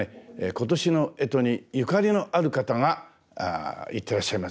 今年の干支にゆかりのある方が行ってらっしゃいます。